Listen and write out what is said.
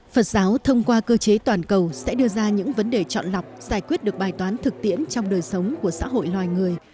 phật giáo thông qua cơ chế toàn cầu sẽ đưa ra những vấn đề chọn lọc giải quyết được bài toán thực tiễn trong đời sống của xã hội loài người